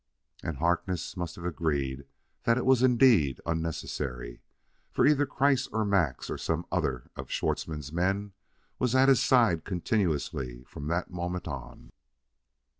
And Harkness must have agreed that it was indeed unnecessary, for either Kreiss or Max, or some other of Schwartzmann's men, was at his side continuously from that moment on.